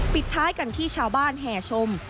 ปิดท้ายกันที่ชาวบ้านแห่ชม